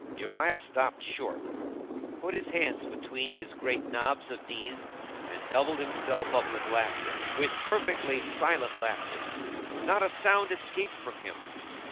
Uriah stopped short, put his hands between his great knobs of knees, and doubled himself up with laughter. With perfectly silent laughter. Not a sound escaped from him.